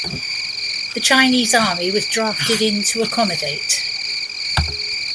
The Chinese army was drafted in to accommodate.